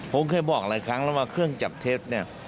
ผมเคยบอกหลายครั้งแล้วว่าเครื่องจับเท็จเนี่ย